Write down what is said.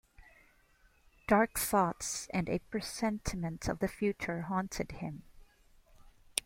Dark thoughts and a presentiment of the future haunted him.